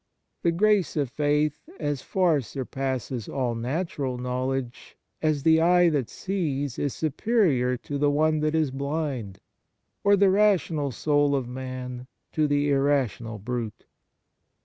The grace of faith as far surpasses all natural knowledge as the eye that sees is superior to the one that is blind, or the rational soul of man to the irrational brute.